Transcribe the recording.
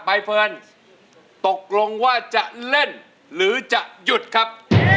ใบเฟิร์นตกลงว่าจะเล่นหรือจะหยุดครับ